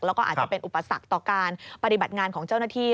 แล้วก็อาจจะเป็นอุปสรรคต่อการปฏิบัติงานของเจ้าหน้าที่